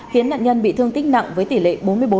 khiến nạn nhân bị thương tích nặng với tỷ lệ bốn mươi bốn